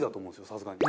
さすがに。